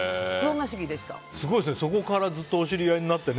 すごいですね、そこからずっとお知り合いになってね。